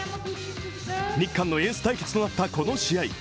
日韓のエース対決となったこの試合。